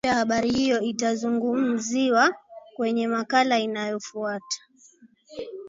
dawa za kulevya Habari hiyo itazungumziwa kwenye makala inayofuata